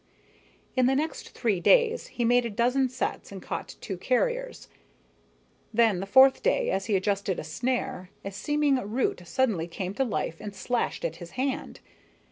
In the next three days he made a dozen sets and caught two carriers. Then, the fourth day, as he adjusted a snare, a seeming root suddenly came to life and slashed at his hand.